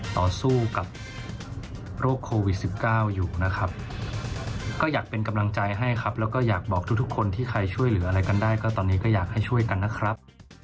หรืออะไรกันได้ตอนนี้ก็อยากให้ช่วยกันนะครับ